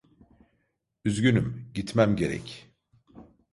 Üzgünüm, gitmem gerek.